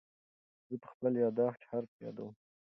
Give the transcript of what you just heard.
زه په خپل یادښت کې هر څه یادوم.